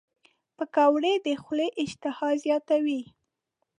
پکورې د خولې اشتها زیاتوي